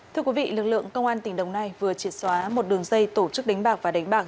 thưa quý vị lực lượng công an tỉnh đồng nai vừa triệt xóa một đường dây tổ chức đánh bạc và đánh bạc